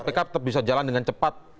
kpk tetap bisa jalan dengan cepat